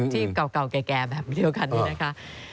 ที่เก่าแก่แบบเดียวกันนี้นะคะ